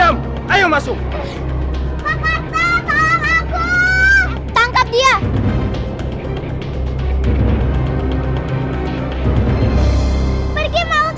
jangan lupa untuk berikan duit